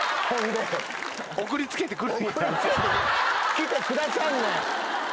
きてくださるねん。